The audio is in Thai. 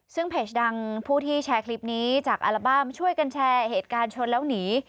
ซึ่งเพจดังผู้ที่แชร์คลิปนี้จากอัลบั้มช่วยกันแชร์เหตุการณ์ชนแล้วหนี